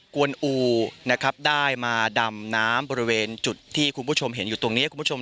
กวนอูได้มาดำน้ำบริเวณจุดที่คุณผู้ชมเห็นอยู่ตรงนี้